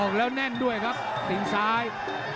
แล้วแน่นด้วยครับตีนซ้าย